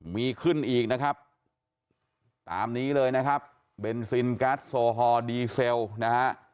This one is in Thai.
มีขึ้นอีกนะครับตามนี้เลยนะครับเบนซินแก๊สโซฮอลดีเซลนะฮะ